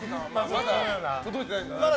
まだ届いてないんだ